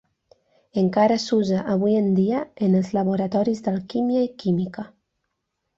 Encara s'usa avui dia en els laboratoris d'alquímia i química.